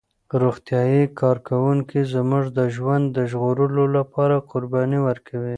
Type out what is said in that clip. روغتیايي کارکوونکي زموږ د ژوند د ژغورلو لپاره قرباني ورکوي.